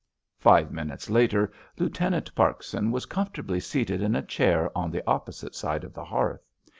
Five minutes later Lieutenant Parkson was comfortably seated in a chair on the opposite side of the hearth.